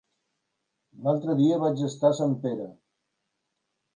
L'altre dia vaig estar a Sempere.